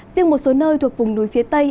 riêng một số nơi thuộc vùng núi phía tây